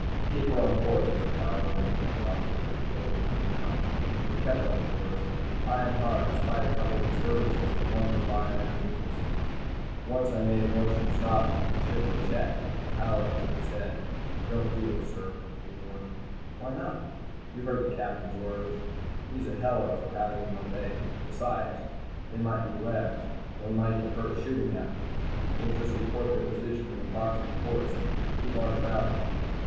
"Keep her on course, Mr. Halloran," he tossed over his shoulder as he went out. We kept on course high and hard despite a couple of disturbances that lumbered by underneath us. Once I made a motion to stop ship and check, but Halloran shook his head. "Don't do it, sir," he warned. "Why not?" "You heard the Captain's orders. He's a heller for having them obeyed. Besides, they might be Rebs and we might get hurt shooting at them. We'll just report their position and approximate course and keep on travelling.